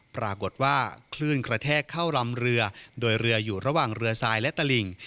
ปรากฏว่าคลื่นกระแทกเข้าลำเรือโดยเรืออยู่ระหว่างเรือทรายและตลิ่ง